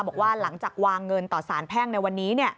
บอกว่าหลังจากวางเงินต่อสารแพ่งในวันนี้